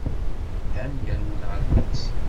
Dan yerwel ɣer Miksik.